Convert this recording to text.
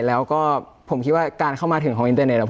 แล้วก็ผมคิดว่าการเข้ามาถึงของอินเตอร์เน็ต